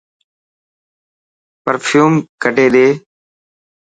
پرفيوم ڪڌي ڏي.